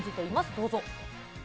どうぞ。